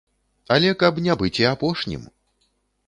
Але каб не быць і апошнім.